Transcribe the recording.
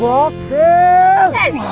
kamu dulu takut sih